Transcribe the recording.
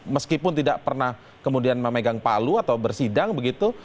meskipun tidak pernah kemudian memegang palu atau bersidang begitu